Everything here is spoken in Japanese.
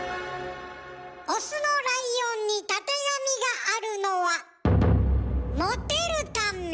オスのライオンにたてがみがあるのはモテるため！